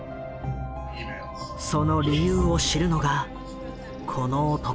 その理由を知るのがこの男。